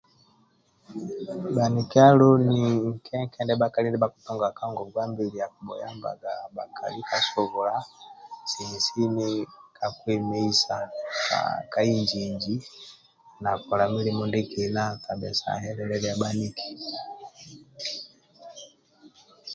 Bhanikia loni nke nke ndia bhakali ndia bhakitunganga ka ngongwa mbili akibhuyambaga bhakali ka subula na kwemeisa ka inji inji na kola milimo nasini sa helelelia bhaniki